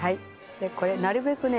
でこれなるべくね